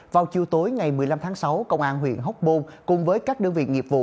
vào chiều tối ngày một mươi năm tháng sáu công an huyện hóc môn cùng với các đơn vị nghiệp vụ